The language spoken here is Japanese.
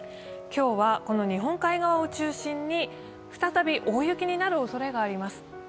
今日は日本海側を中心に再び大雪になるおそれがあります。